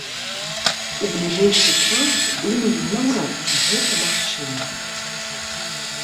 У бліжэйшы час, думаю, наўрад ці гэта магчыма.